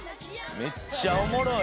めっちゃおもろい！